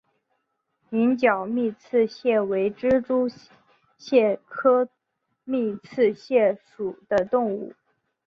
羚角密刺蟹为蜘蛛蟹科密刺蟹属的动物。